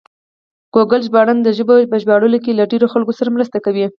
ګوګل ژباړن د ژبو په ژباړلو کې له ډېرو خلکو سره مرسته کوي.